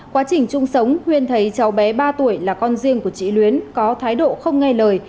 quá trình chung sống huyên thấy cháu bé ba tuổi là con riêng của chị luyến có thái độ không nghe lời